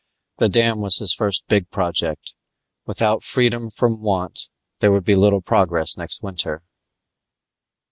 The dam was his first big project; without freedom from want, there would be little progress next winter.